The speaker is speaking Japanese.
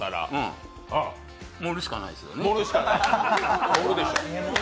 盛るしかないですね。